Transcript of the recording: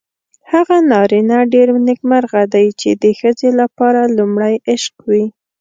هغه نارینه ډېر نېکمرغه دی چې د ښځې لپاره لومړی عشق وي.